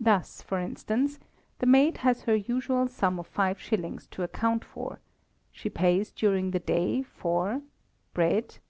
Thus, for instance, the maid has her usual sum of five shillings to account for; she pays during the day, for: s. d.